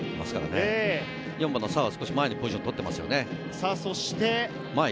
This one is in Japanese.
４番の澤が前にポジションをとってますね。